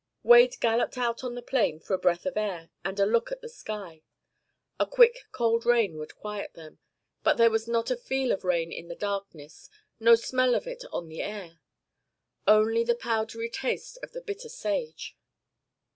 Wade galloped out on the plain for a breath of air and a look at the sky. A quick cold rain would quiet them; but there was not a feel of rain in the darkness, no smell of it on the air. Only the powdery taste of the bitter sage.